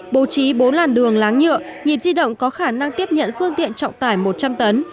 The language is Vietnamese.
bố trí bốn làn đường láng nhựa nhịp di động có khả năng tiếp nhận phương tiện trọng tải một trăm linh tấn